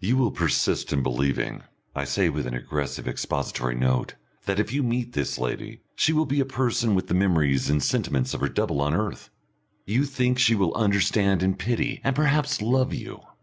"You will persist in believing," I say, with an aggressive expository note, "that if you meet this lady she will be a person with the memories and sentiments of her double on earth. You think she will understand and pity, and perhaps love you.